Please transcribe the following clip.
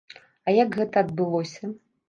А як гэта адбылося?